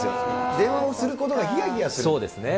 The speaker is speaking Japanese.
電話をすることがひやひやする。